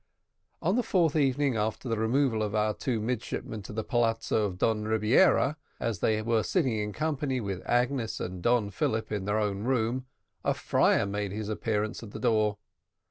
On the fourth evening after the removal of our two midshipmen to the palazzo of Don Rebiera, as they were sitting in company with Agnes and Don Philip in their own room, a friar made his appearance at the door.